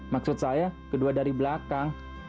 maksud saya kedua dari belakang